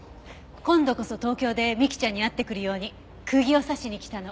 今度こそ東京で美貴ちゃんに会ってくるように釘を刺しに来たの。